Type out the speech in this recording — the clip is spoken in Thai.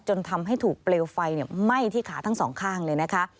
จนทำให้ถูกเปลวไฟไหม้ที่ขาทั้งสองข้างเลยนะคะ